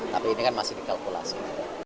tapi ini kan masih dikalkulasi